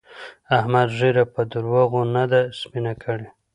احمد ږيره په درواغو نه ده سپينه کړې.